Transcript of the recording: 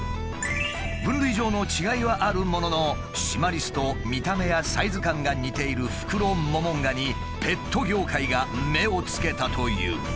分類上の違いはあるもののシマリスと見た目やサイズ感が似ているフクロモモンガにペット業界が目をつけたという。